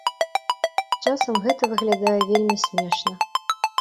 Часам гэта выглядае вельмі смешна.